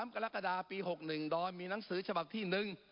กรกฎาปี๖๑โดยมีหนังสือฉบับที่๑